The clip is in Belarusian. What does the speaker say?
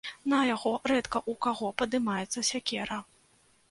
На яго рэдка ў каго падымаецца сякера.